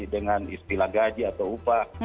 dengan istilah gaji atau upah